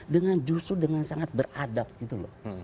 dengan justru dengan sangat beradab gitu loh